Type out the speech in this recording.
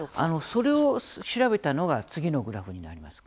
それを調べたのが次のグラフになります。